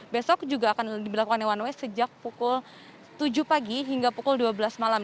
besok juga akan diberlakukan one way sejak pukul tujuh pagi hingga pukul dua belas malam